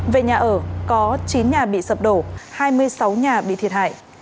về nhà ở có chín nhà bị sập đổ hai mươi sáu nhà bị thiệt hại